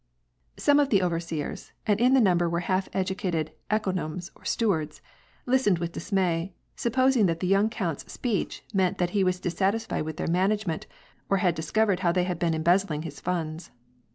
Some of the overseers — and in the number were half edu cated ekonovuj or stewards — listened with dismay, supposing that the young count's speech meant that he was dissatisfied with their management, or had discovered how they had been embezzling his funds.